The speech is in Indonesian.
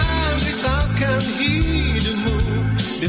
jangan risaukan hidupmu di seluruh dunia